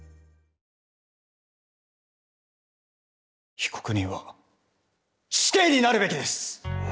被告人は死刑になるべきです。